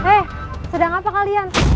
eh sedang apa kalian